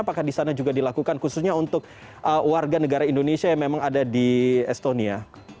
apakah di sana juga dilakukan khususnya untuk warga negara indonesia yang memang ada di estonia